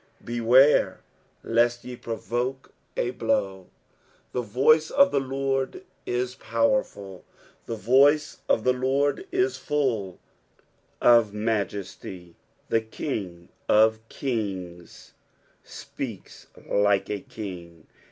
beware lest ye provoke a blow. " The voice of the Lord U poteerful ; Uis toiee <^ the Lord u^U <^ tuajettj/." The King of kings speaks like a king.